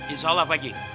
insya allah pak haji